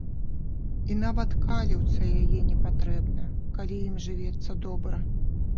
І нават каліўца яе не патрэбна, калі ім жывецца добра.